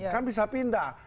kan bisa pindah